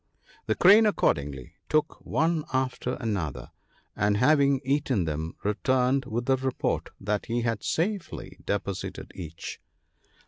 "The Crane accordingly took one after another, and having eaten them returned with the report that he had safely deposited each.